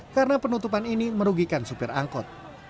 karena penutupan ini merugikan supir angkot